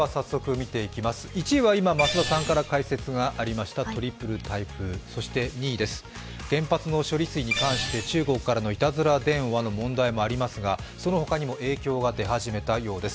１位は今、増田さんから解説がありましたトリプル台風そして２位です、原発の処理水に関して中国からのいたずら電話などありますが、その他にも影響が出始めたようです。